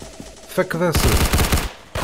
Tfakkeḍ-asen-t.